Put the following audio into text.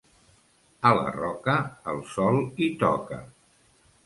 A la Roca el sol hi toca.